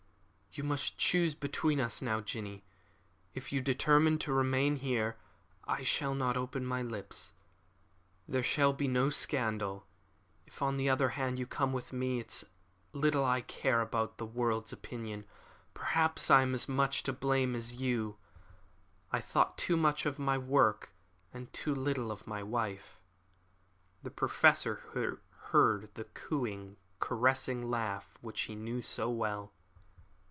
"You must choose between us now, Jinny. If you determine to remain here, I shall not open my lips. There shall be no scandal. If, on the other hand, you come with me, it's little I care about the world's opinion. Perhaps I am as much to blame as you. I thought too much of my work and too little of my wife." The Professor heard the cooing, caressing laugh which he knew so well.